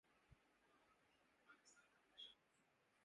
اس کی واحد صورت اپوزیشن سے رابطہ ہے۔